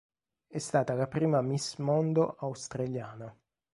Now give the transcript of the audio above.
È stata la prima Miss Mondo australiana.